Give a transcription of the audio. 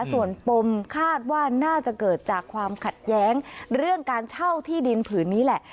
ส่วนปมคาดว่าน่าจะเกิดจากความขัดแย้งเรื่องการเช่าที่ดินผืนนี้แหละ